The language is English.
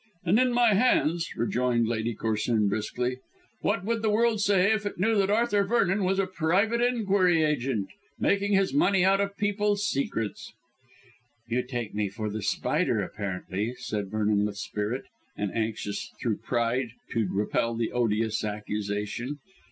"And in my hands," rejoined Lady Corsoon briskly. "What would the world say if it knew that Arthur Vernon was a private inquiry agent, making his money out of people's secrets?" "You take me for The Spider, apparently," said Vernon with spirit, and anxious, through pride, to repel the odious accusation.